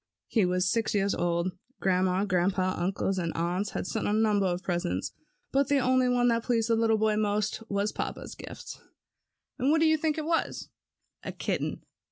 He was six years old. Grandma, Grandpa, uncles, and aunts had sent a number of presents, but the one that pleased the little boy most was papa's gift. And what do you think it was? A kitten.